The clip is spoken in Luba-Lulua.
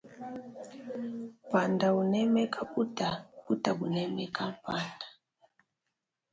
Panda unemeka buta buta bunemeka mpata.